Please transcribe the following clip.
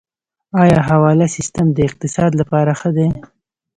آیا حواله سیستم د اقتصاد لپاره ښه دی؟